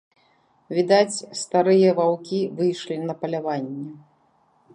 Відаць, старыя ваўкі выйшлі на паляванне.